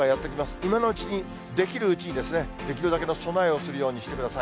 今のうちにできるうちに、できるだけの備えをするようにしてください。